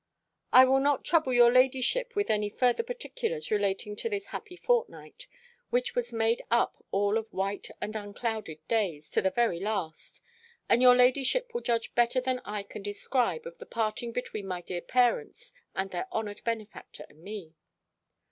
I will not trouble your ladyship with any further particulars relating to this happy fortnight, which was made up all of white and unclouded days, to the very last; and your ladyship will judge better than I can describe, of the parting between my dear parents, and their honoured benefactor and me.